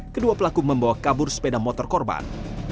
kedua pelaku membawa kabur sepeda motor korban